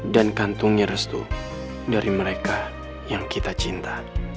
dan kantungnya restu dari mereka yang kita cinta